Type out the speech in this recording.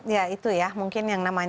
ya itu ya mungkin yang namanya